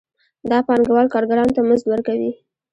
دا پانګوال کارګرانو ته مزد ورکوي